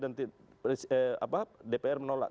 dan dpr menolak